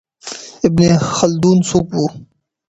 ابن خلدون څوک و؟